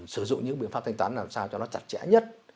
sử dụng những biện pháp thanh toán làm sao cho nó chặt chẽ nhất